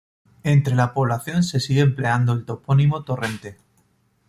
Entre la población se sigue empleando el topónimo Torrente.